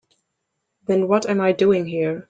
Then what am I doing here?